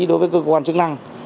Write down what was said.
đối với cơ quan chức năng